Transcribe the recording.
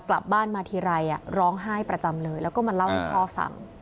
กลับบ้านมาทีไรร้องไห้ประจำเลยแล้วก็มาเล่าให้พ่อฟัง